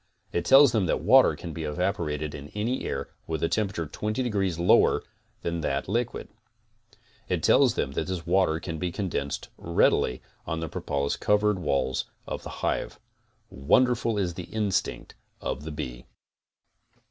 It tells them that water can be evaporated in any air with a tempera 82 CONSTRUCTIVE BEEKEEPING ture 20 degrees lower than that liquid. It tells them that this water can be condensed readily on the propolis covered walls of the hive. Wonderful is the instinct of the bee!